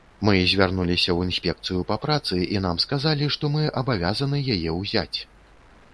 Мы звярнуліся ў інспекцыю па працы, і нам сказалі, што мы абавязаны яе ўзяць.